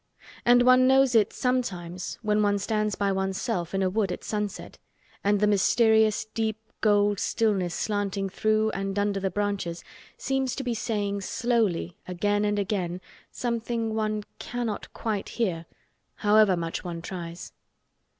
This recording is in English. And one knows it sometimes when one stands by oneself in a wood at sunset and the mysterious deep gold stillness slanting through and under the branches seems to be saying slowly again and again something one cannot quite hear, however much one tries.